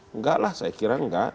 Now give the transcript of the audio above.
enggak lah saya kira enggak